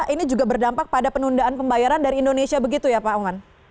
ini juga berdampak pada penundaan pembayaran dari indonesia begitu ya pak oman